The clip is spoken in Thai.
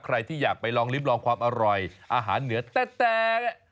ใครที่อยากไปลองลิ้มลองความอร่อยอาหารเหนือแตก